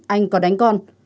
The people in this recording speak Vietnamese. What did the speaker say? anh có đánh con